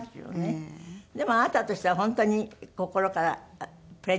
でもあなたとしては本当に心からプレゼントしたかったんでしょ？